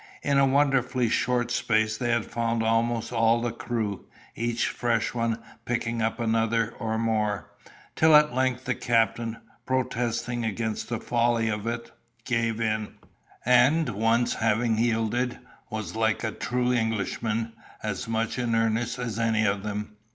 In a wonderfully short space they had found almost all the crew, each fresh one picking up another or more; till at length the captain, protesting against the folly of it, gave in, and once having yielded, was, like a true Englishman, as much in earnest as any of them.